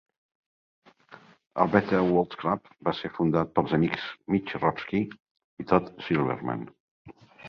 El Better World Club va ser fundat pels amics Mitch Rofsky i Todd Silberman.